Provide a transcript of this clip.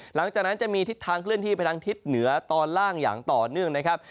หลังจากนั้นจะมีทิศทางเคลื่อนที่ไปทางทิศเหนือตอนล่างอย่างต่อเนื่องนะครับ